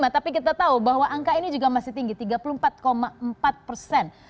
tapi kita tahu bahwa angka ini juga masih tinggi tiga puluh empat empat persen